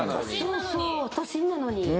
そうそう都心なのに。